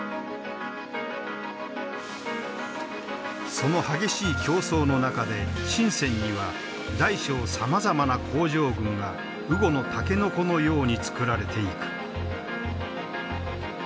その激しい競争の中で深には大小さまざまな工場群が雨後の竹の子のようにつくられていく。